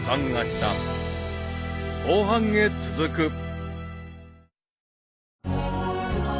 ［後半へ続く］